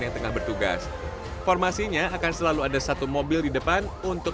yang tengah bertugas formasinya akan selalu ada satu mobil di depan untuk